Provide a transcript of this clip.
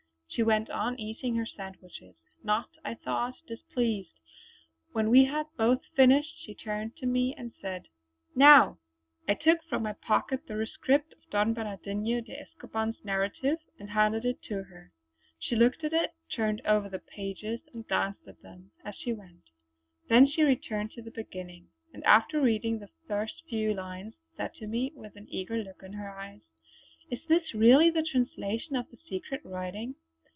She went on eating her sandwiches, not, I thought, displeased. When we had both finished she turned to me and said: "Now!" I took from my pocket the rescript of Don Bernardino de Escoban's narrative and handed it to her. She looked at it, turned over the pages, and glanced at them as she went. Then she returned to the beginning, and after reading the first few lines, said to me with an eager look in her eyes: "Is this really the translation of the secret writing?